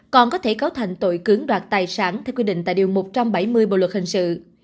còn có thể cáo thành tội cưỡng đoạt tài sản theo quy định tại điều một trăm bảy mươi bộ luật hình sự